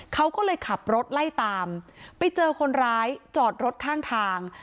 เขาก็เลยขับรถไล่ตามไปเจอคนร้ายจอดรถข้างทาง